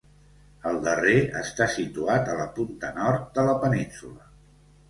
El darrer està situat a la punta nord de la península.